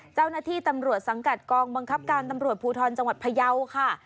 เจ้าหน้าที่ตำรวจสังกัดกองบังคับการตำรวจภูทรจังหวัดพยาวค่ะ